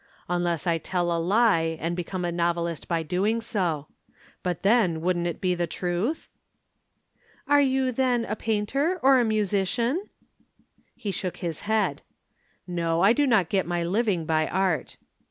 Unless I tell a lie and become a novelist by doing so. But then wouldn't it be the truth?" "Are you, then, a painter or a musician?" He shook his head. "No, I do not get my living by art."